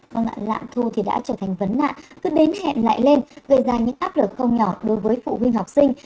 còn lạc thu thì đã trở thành vấn nạn cứ đến hẹn lại lên gây ra những áp lực không nhỏ đối với phụ huynh học sinh